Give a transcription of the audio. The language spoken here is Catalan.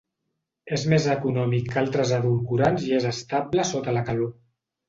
És més econòmic que altres edulcorants i és estable sota la calor.